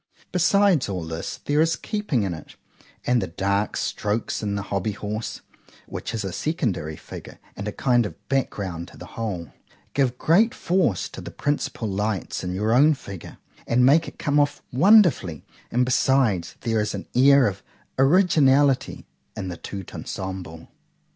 Besides all this,—there is keeping in it, and the dark strokes in the HOBBY HORSE, (which is a secondary figure, and a kind of back ground to the whole) give great force to the principal lights in your own figure, and make it come off wonderfully;—and besides, there is an air of originality in the _tout ensemble.